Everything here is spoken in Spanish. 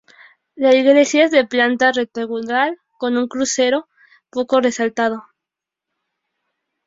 La iglesia es de planta rectangular con un crucero poco resaltado.